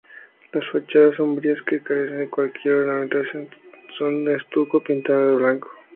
Las fachadas sombrías, que carecen de cualquier ornamentación, son de estuco pintado de blanco.